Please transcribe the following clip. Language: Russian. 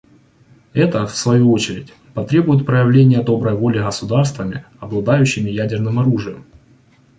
Это, в свою очередь, потребует проявления доброй воли государствами, обладающими ядерным оружием.